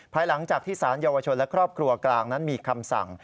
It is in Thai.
ภายหลังจากที่สารเยาวชนและครอบครัวกลางนั้นมีคำสั่ง